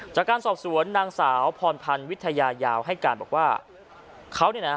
จากการสอบสวนนางสาวพรพันธ์วิทยายาวให้การบอกว่าเขาเนี่ยนะ